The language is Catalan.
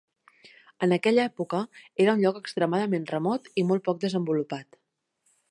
En aquella època, era un lloc extremadament remot i molt poc desenvolupat.